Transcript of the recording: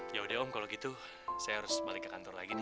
ya udah om kalau gitu saya harus balik ke kantor lagi nih